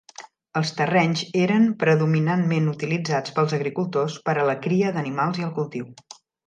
Els terrenys eren predominantment utilitzats pels agricultors per a la cria d'animals i el cultiu.